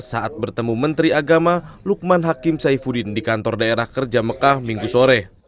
saat bertemu menteri agama lukman hakim saifuddin di kantor daerah kerja mekah minggu sore